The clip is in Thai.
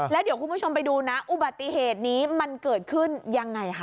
แล้วเดี๋ยวคุณผู้ชมไปดูนะอุบัติเหตุนี้มันเกิดขึ้นยังไงคะ